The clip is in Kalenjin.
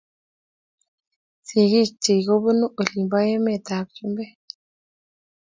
Sigig chik kobunu olin po emet ab chumbek